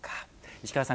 石川さん